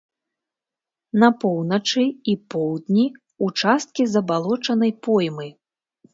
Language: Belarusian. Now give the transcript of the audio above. На поўначы і поўдні ўчасткі забалочанай поймы.